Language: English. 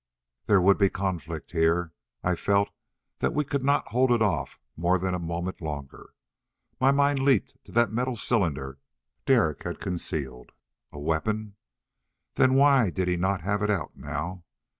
There would be conflict here, I felt that we could not hold it off more than a moment longer. My mind leaped to that metal cylinder Derek had concealed. A weapon? Then why did he not have it out now?